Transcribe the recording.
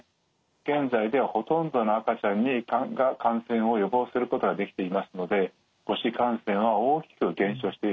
現在ではほとんどの赤ちゃんに感染を予防することができていますので母子感染は大きく減少しているんですね。